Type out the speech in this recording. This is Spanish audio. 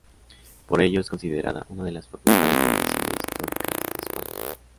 Por ello, es considerada una de las Facultades de Medicina históricas de España.